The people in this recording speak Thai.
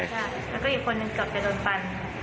มีคนหนึ่งเกือบจะโดนปัน